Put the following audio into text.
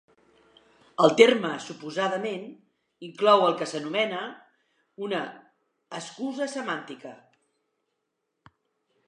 El terme "suposadament" inclou el que s'anomena una "excusa semàntica".